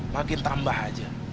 makin tambah aja